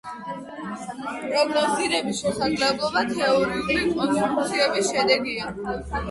პროგნოზირების შესაძლებლობა თეორიული კონსტრუქციების შედეგია.